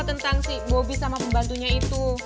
tentang si bobi sama pembantunya itu